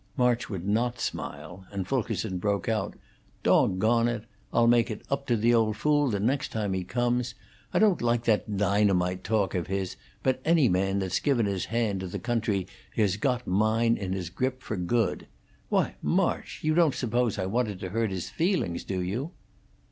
March would not smile, and Fulkerson broke out: "Dog on it! I'll make it up to the old fool the next time he comes. I don't like that dynamite talk of his; but any man that's given his hand to the country has got mine in his grip for good. Why, March! You don't suppose I wanted to hurt his feelings, do you?"